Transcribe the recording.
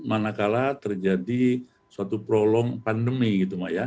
manakala terjadi suatu prolong pandemi gitu